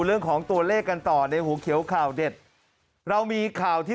เรื่องของตัวเลขกันต่อในหัวเขียวข่าวเด็ดเรามีข่าวที่